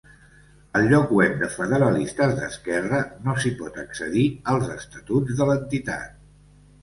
Al Lloc Web de Federalistes d'esquerra no s'hi pot accedir als estatuts de l'entitat.